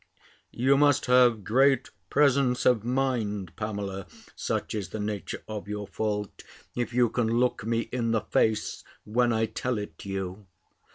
"You must have great presence of mind, Pamela, such is the nature of your fault, if you can look me in the face, when I tell it you."